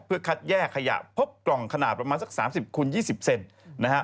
เพื่อคัดแยกขยะพบกล่องขนาดประมาณสัก๓๐คูณ๒๐เซนนะฮะ